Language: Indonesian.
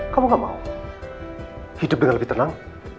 kamu gak mau hidup dengan lebih tenang